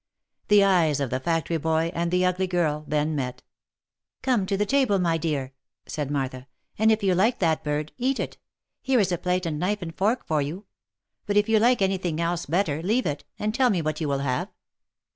The eyes of the factory boy and the ugly girl then met. " Come to the table, my dear," said Martha; i( and if you like that bird, eat it — here is a plate and knife and fork for you ; but if you like any thing else better, leave it, and tell me what you will have."